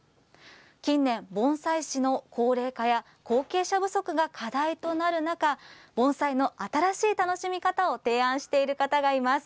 近年、盆栽師の高齢化や後継者不足が課題となる中、盆栽の新しい楽しみ方を提案している方がいます。